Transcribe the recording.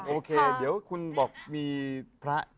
โอเคเดี๋ยวคุณบอกมีพระ